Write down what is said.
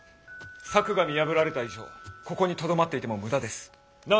策が見破られた以上ここにとどまっていても無駄です。なあ？